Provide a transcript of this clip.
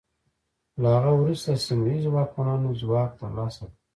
له هغه وروسته سیمه ییزو واکمنانو ځواک ترلاسه کړ.